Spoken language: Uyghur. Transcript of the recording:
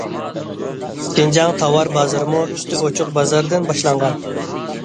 شىنجاڭ تاۋار بازىرىمۇ ئۈستى ئوچۇق بازاردىن باشلانغان.